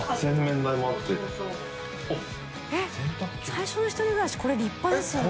最初の１人暮らしこれ立派ですよね？